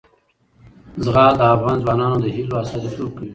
زغال د افغان ځوانانو د هیلو استازیتوب کوي.